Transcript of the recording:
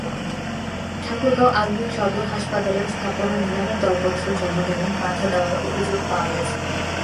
ঠাকুরগাঁও আধুনিক সদর হাসপাতালের স্থাপনা নিলামের দরপত্র জমাদানে বাধা দেওয়ার অভিযোগ পাওয়া গেছে।